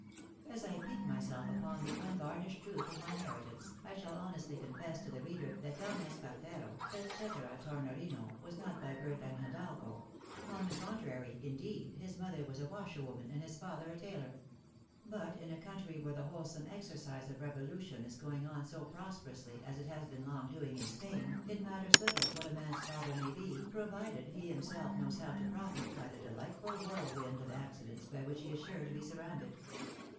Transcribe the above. As I pique myself upon the unvarnished truth of my narratives, I shall honestly confess to the reader that Don Espartero et cxtera Tornorino was not by birth an hidalgo ; on the contrary, indeed, his mother was a washerwoman and his father a tailor. But in a country where the wholesome exercise of revolution is going on so prosperously as it has been long doing in Spain, it matters little what a man's father may be, provided he himself knows how to profit by the delightful whirlwind of accidents by which he is sure to be surrounded.